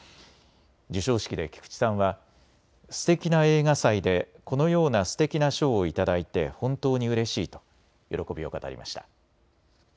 授賞式で菊地さんはすてきな映画祭でこのようなすてきな賞を頂いて本当にうれしいと喜びを語りました。